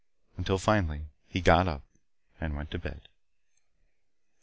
Until finally he got up and went to bed.